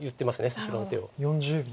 そちらの手を。